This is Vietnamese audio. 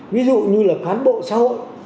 ví dụ như là khán bộ xã hội